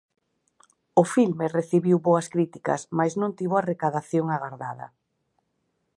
O filme recibiu boas críticas mais non tivo a recadación agardada.